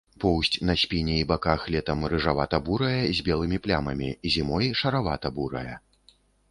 Поўсць на спіне і баках летам рыжавата-бурая з белымі плямамі, зімой шаравата-бурая.